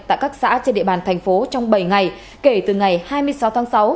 tại các xã trên địa bàn thành phố trong bảy ngày kể từ ngày hai mươi sáu tháng sáu